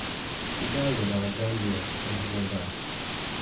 He died in Alexandria on his way back.